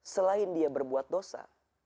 selain dia berbuat dosa